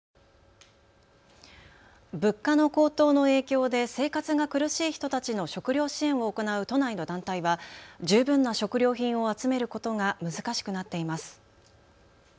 物価の高騰の影響で生活が苦しい人たちの食料支援を行う都内の団体は十分な食料品を集めることが難しくなっています。